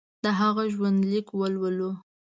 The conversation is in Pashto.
د هغه ژوندلیک ولولو.